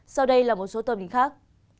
sau đây là một số tờ bình khác